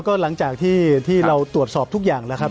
ก็หลังจากที่เราตรวจสอบทุกอย่างแล้วครับ